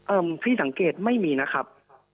เอ่อที่สังเกตไม่มีนะครับ